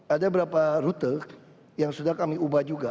ada berapa rute yang sudah kami ubah juga